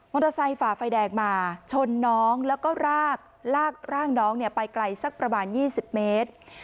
เตอร์ไซค์ฝ่าไฟแดงมาชนน้องแล้วก็ลากร่างน้องไปไกลสักประมาณ๒๐เมตร